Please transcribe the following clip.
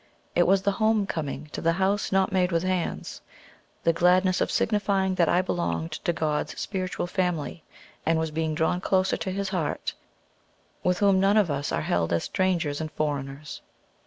It was the homecoming to the "house not made with hands," the gladness of signifying that I belonged to God's spiritual family, and was being drawn closer to his heart, with whom none of us are held as "strangers and foreigners."